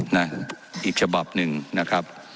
ว่าการกระทรวงบาทไทยนะครับ